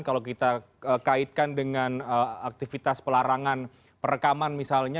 kalau kita kaitkan dengan aktivitas pelarangan perekaman misalnya